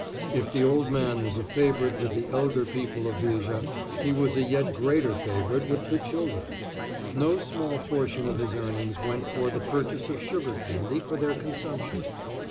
If the old man was a favorite with the elder people of Viger, he was a yet greater favorite with the children. No small portion of his earnings went toward the purchase of sugar candy for their consumption.